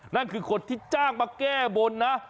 นั่นคือคนที่จ้างมาแก้บนนะ